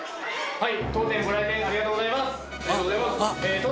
はい。